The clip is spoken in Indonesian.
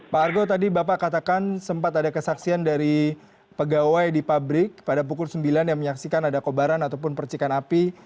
pak argo tadi bapak katakan sempat ada kesaksian dari pegawai di pabrik pada pukul sembilan yang menyaksikan ada kobaran ataupun percikan api